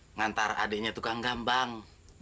ngantar adiknya tukang gambang